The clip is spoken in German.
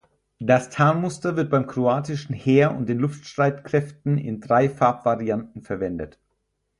Das Tarnmuster wird beim kroatischen Heer und den Luftstreitkräften in drei Farbvarianten verwendet.